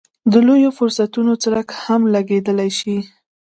د لویو فرصتونو څرک هم لګېدلی شي.